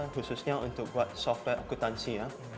khususnya untuk buat software akuntansi